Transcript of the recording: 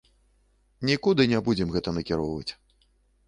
Нікуды не будзем гэта накіроўваць.